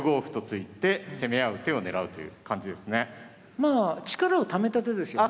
まあ力をためた手ですよね。